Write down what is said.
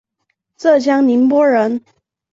浙江宁波人。